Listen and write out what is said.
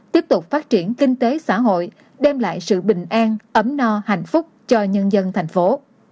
tiếp tục phát triển kinh tế xã hội đem lại sự bình an ấm no hạnh phúc cho nhân dân thành phố